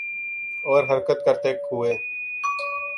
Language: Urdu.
اور حرکت کرتے ہوئے